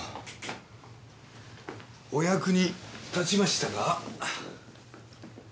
お役に立ちましたか？